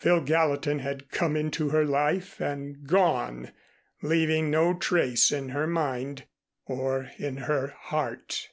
Phil Gallatin had come into her life and gone, leaving no trace in her mind or in her heart.